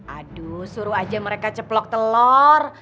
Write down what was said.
aduh suruh aja mereka ceplok telur